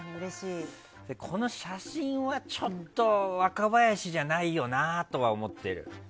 この写真はちょっと若林じゃないよなとは思ってる。